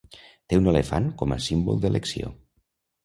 Té un elefant com a símbol d'elecció.